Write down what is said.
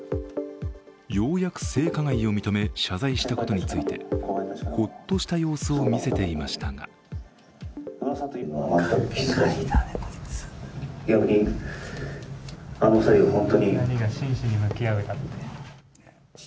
ようやく性加害を認め、謝罪したことについてほっとした様子を見せていましたが今夜はん